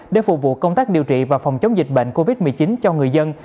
để phục vụ công tác điều trị và phòng chống dịch bệnh covid một mươi chín cho người dân